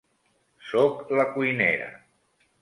Soc la cuinera.